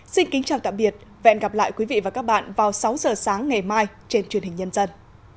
xin kính chào tạm biệt và hẹn gặp lại quý vị và các bạn vào sáu giờ sáng ngày mai trên truyền hình nhân dân